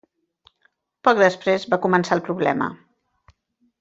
Poc després va començar el problema.